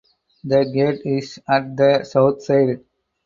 The gate is at the south side.